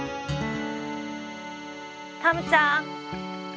タムちゃん！